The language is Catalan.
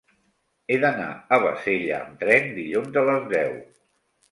He d'anar a Bassella amb tren dilluns a les deu.